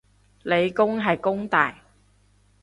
理工係弓大